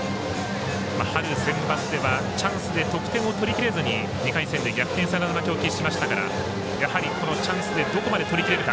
春センバツではチャンスで得点を取りきれずに２回戦で逆転サヨナラ負けを喫しましたからやはりチャンスでどこまで取りきれるか。